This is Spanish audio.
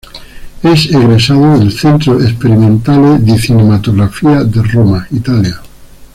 Es egresado del "Centro Sperimentale Di Cinematografía" de Roma, Italia.